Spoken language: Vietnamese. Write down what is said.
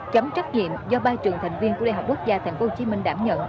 chấm trắc nghiệm do ba trường thành viên của đại học quốc gia tp hcm đảm nhận